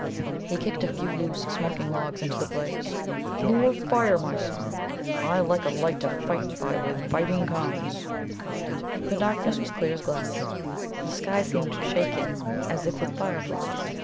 He kicked a few loose smoking logs into the blaze. "More fire, my son! I like a light to fight by when fighting comes." The darkness was clear as glass. The sky seemed shaken as if with fire flies.